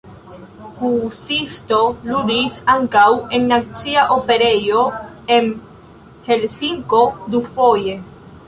Kuusisto ludis ankaŭ en nacia operejo en Helsinko dufoje.